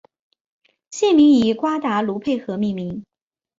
县名以瓜达卢佩河命名。